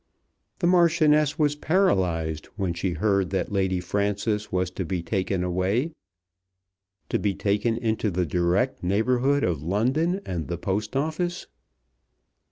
The Marchioness was paralyzed when she heard that Lady Frances was to be taken away, to be taken into the direct neighbourhood of London and the Post Office.